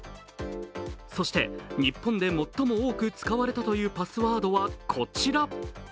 そして日本で最も多く使われたというパスワードはこちら。